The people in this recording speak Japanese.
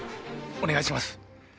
お願いします。